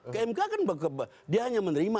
ke mk kan dia hanya menerima